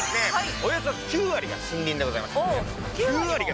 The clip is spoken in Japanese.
およそ９割が森林でございましてお９割も？